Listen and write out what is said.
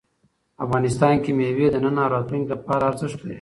افغانستان کې مېوې د نن او راتلونکي لپاره ارزښت لري.